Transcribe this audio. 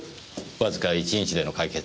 わずか１日での解決